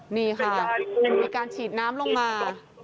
นี่ค่ะมีการฉีดน้ำลงมา